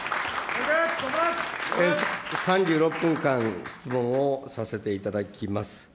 ３６分間、質問をさせていただきます。